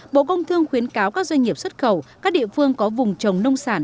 bộ công thương khuyến cáo các doanh nghiệp xuất khẩu các địa phương có vùng trồng nông sản